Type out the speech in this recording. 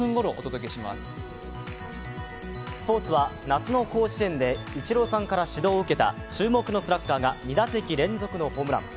スポ−ツは夏の甲子園でイチローさんから指導を受けた注目のスラッガーが２打席連続のホームラン。